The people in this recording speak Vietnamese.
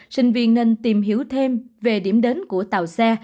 sinh viên nên tìm hiểu thêm về điểm đến của tàu xe